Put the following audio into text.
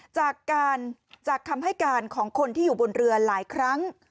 จากคำให้การของคนที่อยู่บนเรือหลายครั้ง